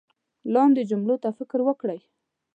لاندې جملو ته فکر وکړئ